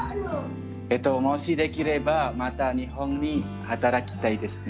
もしできればまた日本に働きたいですね。